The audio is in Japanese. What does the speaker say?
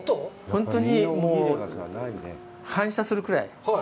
本当に反射するくらい。